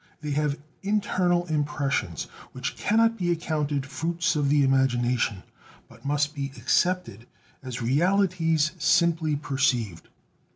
They have internal impressions which cannot be accounted fruits of the imagination, but must be accepted as realities simply perceived.